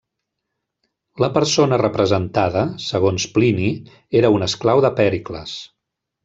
La persona representada, segons Plini, era un esclau de Pèricles.